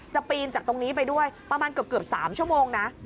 ปีนจากตรงนี้ไปด้วยประมาณเกือบ๓ชั่วโมงนะ